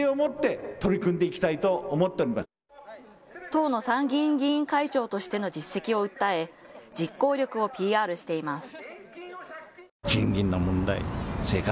党の参議院議員会長としての実績を訴え、実行力をＰＲしています。